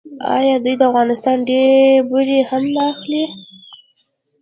آیا دوی د افغانستان ډبرې هم نه اخلي؟